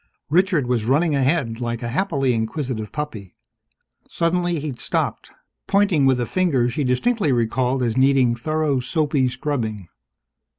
Richard was running ahead like a happily inquisitive puppy. Suddenly he'd stopped, pointing with a finger she distinctly recalled as needing thorough soapy scrubbing.